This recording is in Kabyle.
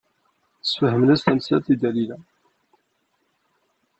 Sfehmen-as tamsalt i Dalila.